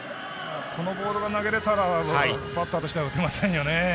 このボールが投げれたらバッターとしては打てませんよね。